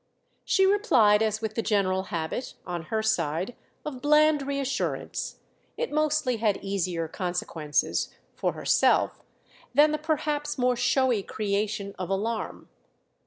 She replied as with the general habit, on her side, of bland reassurance; it mostly had easier consequences—for herself—than the perhaps more showy creation of alarm.